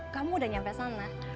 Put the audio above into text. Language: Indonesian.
kamu udah nyampe sana